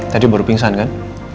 tadi baru pingsan kan